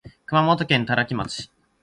熊本県多良木町